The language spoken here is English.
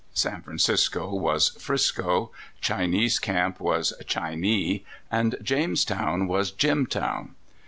San Francisco was "Frisco," Chinese Camp was " Chinee," and Jamestown was "Jim town."